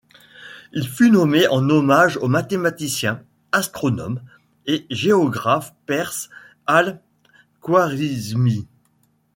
Il fut nommé en hommage au mathématicien, astronome et géographe perse Al-Khwârizmî.